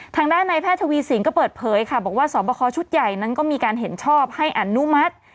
ทางด้านในแพทย์ทวีสินก็เปิดเผยค่ะบอกว่าสอบประคอชุดใหญ่นั้นก็มีการเห็นชอบให้อนุมัติ